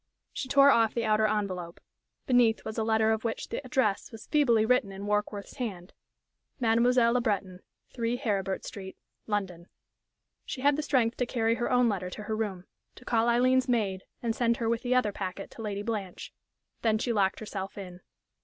She tore off the outer envelope; beneath was a letter of which the address was feebly written in Warkworth's hand: "Mademoiselle Le Breton, 3 Heribert Street, London." She had the strength to carry her own letter to her room, to call Aileen's maid and send her with the other packet to Lady Blanche. Then she locked herself in....